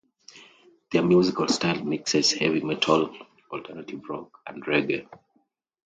Their musical style mixes heavy metal, alternative rock, and reggae.